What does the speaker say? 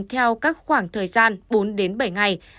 theo các khoảng thời gian bốn đến bảy ngày